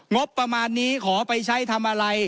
งบประมาณนี้ขอไปใช้ทำอะไร